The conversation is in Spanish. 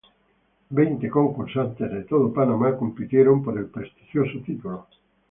Veinte concursantes de todo Panamá compitieron por el prestigioso título.